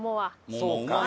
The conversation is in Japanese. そうか。